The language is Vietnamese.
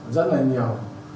rất là nhiều